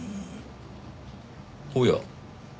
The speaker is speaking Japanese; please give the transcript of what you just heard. おや。